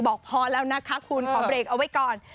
บอกพอแล้วนะคะคุณขอเบรกเอาไว้ก่อน